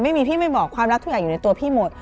พี่ไม่บอกความรักทุกอย่างอยู่ในตัวพี่หมด